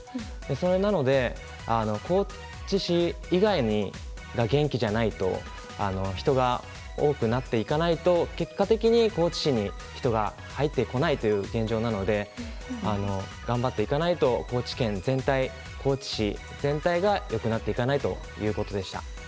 それなので高知市以外が元気じゃないと人が多くなっていかないと結果的に高知市に人が入ってこないという現状なので頑張っていかないと高知県全体高知市全体がよくなっていかないということでした。